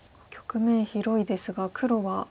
局面広いですが黒は。